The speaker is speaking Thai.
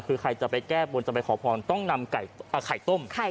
คือใครจะไปแก้บนจะไปขอพรต้องนำไข่ต้ม